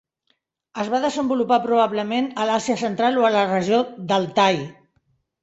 Es va desenvolupar probablement a l'Àsia central o a la regió d'Altai.